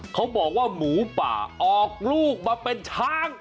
เขาบอกว่าหมูป่าออกลูกมาเป็นช้าง